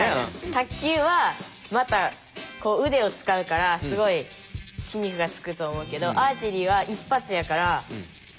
卓球はまたこう腕を使うからすごい筋肉がつくと思うけどアーチェリーは一発やからそうでもないかなと。